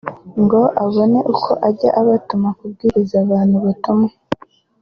ngo abone uko ajya abatuma kubwiriza abantu ubutumwa